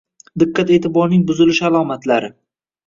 Diqqat-eʼtiborning buzilishi alomatlari.